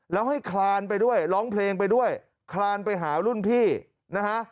แล้วให้คลานไปด้วยร้องเพลงไปด้วยคลานไปหารุ่นพี่นะฮะ